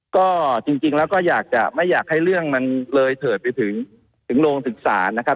ก็จริงแล้วก็อยากจะไม่อยากให้เรื่องมันเลยเถิดไปถึงโรงศึกษานะครับ